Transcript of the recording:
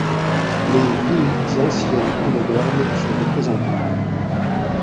Les villes ancienne et moderne sont représentées.